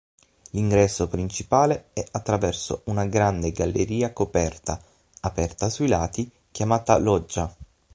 L'ingresso principale è attraverso una grande galleria coperta, aperta sui lati, chiamata loggia.